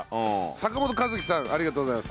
坂元一樹さんありがとうございます。